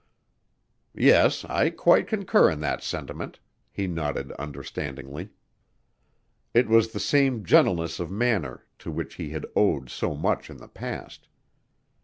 "Yes, I quite concur in that sentiment." He nodded understandingly. It was the same gentleness of manner to which he had owed so much in the past.